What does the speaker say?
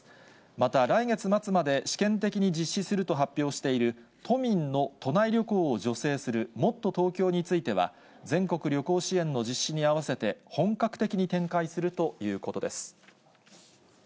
また、来月末まで試験的に実施すると発表している、都民の都内旅行を助成するもっとＴｏｋｙｏについては、全国旅行支援の実施に合わせて、本格的に展開するということです。